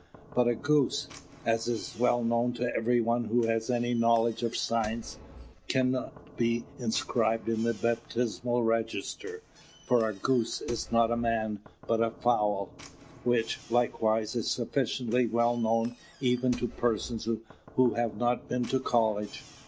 But a goose, as is well known to every one who has any knowledge of science, cannot be inscribed in the baptismal register; for a goose is not a man but a fowl; which, likewise, is sufficiently well known even to persons who have not been to college.